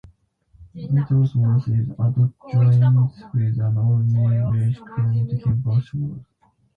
Nettlesworth is adjoined with an old mining village called Kimblesworth.